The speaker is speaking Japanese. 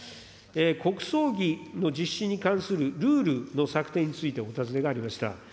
国葬儀の実施に関するルールの策定についてお尋ねがありました。